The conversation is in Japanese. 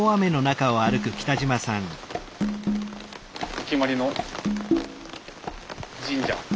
お決まりの神社。